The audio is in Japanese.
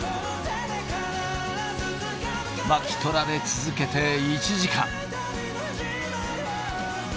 巻き取られ続けて１時間。